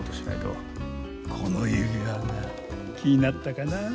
この指輪が気になったかな。